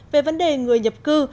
về vấn đề người nhập cư